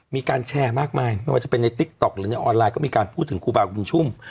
มีการแชร์มากมายไม่ว่าจะเป็นในติ๊กต๊อกหรือในออนไลน์ก็มีการพูดถึงครูบาบุญชุ่ม